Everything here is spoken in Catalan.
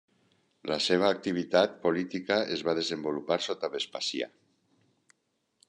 La seva activitat política es va desenvolupar sota Vespasià.